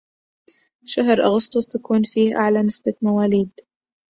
شهر أغسطس تكون فيه أعلى نسبة مواليد..